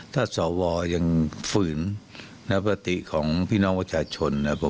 ถ้าสวยังฝืนนปฏิของพี่น้องประชาชนนะครับ